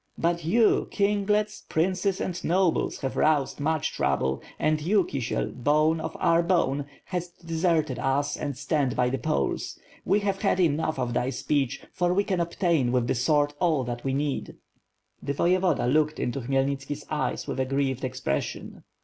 — ^but you, kinglets, princes and nobles, have roused 6o4 WITH FIRM AMD HWOKD, much trouble and jou, KMel, bone of our bone, hast de serted UB and stand by the Poles. We have had enough of thy speech, for we can obtain with the sword all that we need/* The Voyevoda looked into Khmyelnitski's eyes with a grieved expression.